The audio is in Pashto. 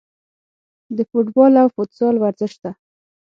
د فوټبال او فوتسال ورزش ته